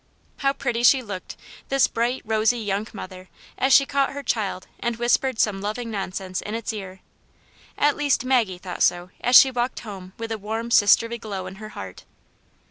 How pretty she looked, this bright rosy young mother, as she caught her child and whispered some loving nonsense in its ear I At least Maggie thought so as she walked home with a warm sisterly glow in her heart.